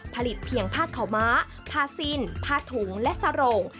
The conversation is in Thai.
เพียงผ้าขาวม้าผ้าสิ้นผ้าถุงและสโรง